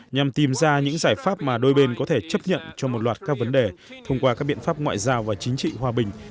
nhằm tìm ra những giải pháp mà đôi bên có thể chấp nhận cho một loạt các vấn đề thông qua các biện pháp ngoại giao và chính trị hòa bình